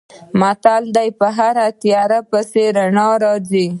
متل دی: په هره تیاره پسې رڼا راځي.